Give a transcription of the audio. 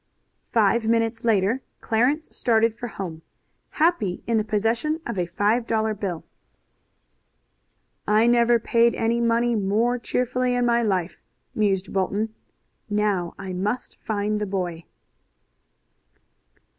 Five minutes later Clarence started for home, happy in the possession of a five dollar bill. "I never paid any money more cheerfully in my life," mused Bolton. "Now I must find the boy!"